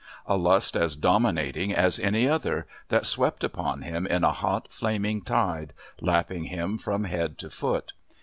A lust as dominating as any other, that swept upon him in a hot flaming tide, lapped him from head to foot.